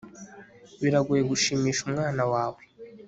biragoye gushimisha umwana wawe